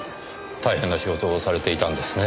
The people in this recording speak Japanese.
大変な仕事をされていたんですね